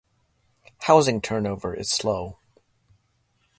Housing turnover is slow.